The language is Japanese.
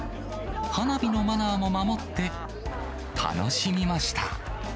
花火のマナーも守って楽しみました。